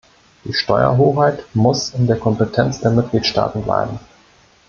Die Steuerhoheit muss in der Kompetenz der Mitgliedstaaten bleiben.